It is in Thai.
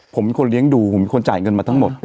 ผมมีคนจ่ายเงินมาทั้งหมด